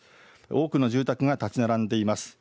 多くの住宅が建ち並んでいます。